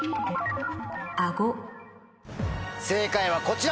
正解はこちら！